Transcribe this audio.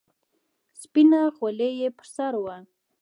سپينه خولۍ يې پر سر وه.